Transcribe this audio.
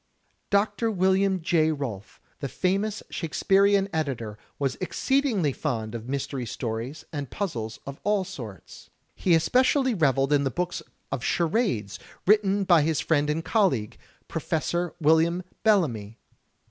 Dr. William J. Rolfe, the famous Shakesperian editor, was exceedingly fond of Mystery Stories and puzzles of all sorts. l3 THE TECHNIQUE OF THE MYSTERY STORY He especially reveled in the books of charades written by his friend and colleague, Professor William Bellamy.